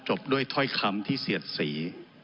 จบด้วยถ้อยคำที่เสียดสี